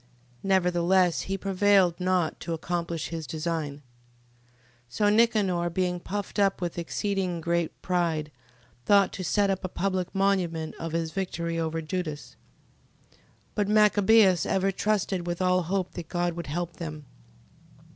Nevertheless he prevailed not to accomplish his design. 15:6. So Nicanor being puffed up with exceeding great pride, thought to set up a public monument of his victory over Judas. 15:7. But Machabeus ever trusted with all hope that God would help them.